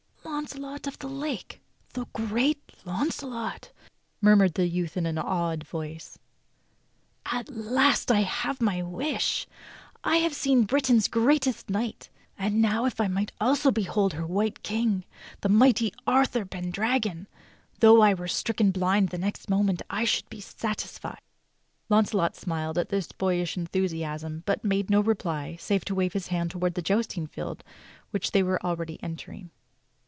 "Launcelot of the Lake! The great Launcelot!" murmured the youth in awed voice. "x\t last I have my wish! I have seen Britain's greatest knight, and now if I might also behold her White King, the mighty Arthur Pendragon, though I were stricken blind the next moment, I should be satisfied." Launcelot smiled at this boyish enthusiasm, but made no reply save to wave his hand toward the jousting field which they were already entering.